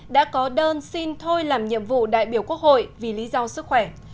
đã có đơn xin thôi làm nhiệm vụ đại biểu quốc hội vì lý do sức khỏe